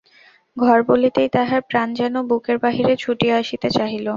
ঘর বলিতেই তাহার প্রাণ যেন বুকের বাহিরে ছুটিয়া আসিতে চাহিল।